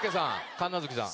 神奈月さん。